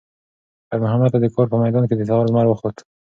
خیر محمد ته د کار په میدان کې د سهار لمر وخوت.